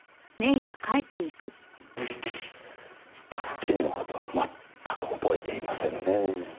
君の事は全く覚えていませんねぇ。